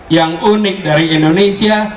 yang unik dari indonesia